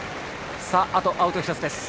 あと、アウト１つ。